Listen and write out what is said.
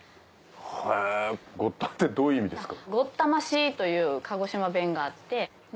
へぇゴッタンってどういう意味ですか？